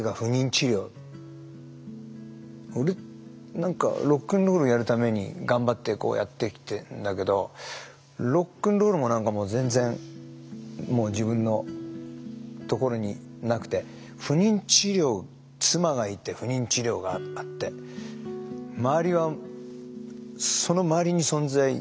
何かロックンロールやるために頑張ってこうやってきてんだけどロックンロールも何かもう全然自分のところになくて不妊治療妻がいて不妊治療があって周りはその周りに存在いろんなものが存在してるような。